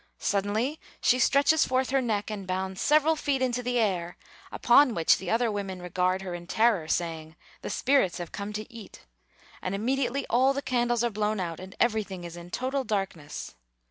Suddenly she stretches forth her neck and bounds several feet into the air, upon which the other women regard her in terror, saying, "The spirits have come to eat;" and immediately all the candles are blown out and everything is in total darkness.